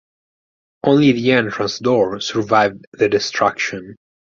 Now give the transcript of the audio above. Only the entrance door survived the destruction.